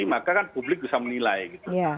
maka kan publik bisa menilai gitu